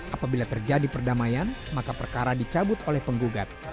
apabila terjadi perdamaian maka perkara dicabut oleh penggugat